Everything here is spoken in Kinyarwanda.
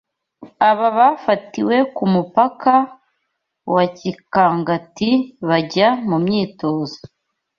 Aba bafatiwe ku mupaka wa Kikagati bajya mu myitozo